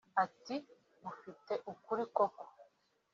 ati “mufite ukuri koko